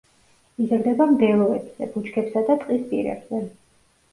იზრდება მდელოებზე, ბუჩქებსა და ტყის პირებზე.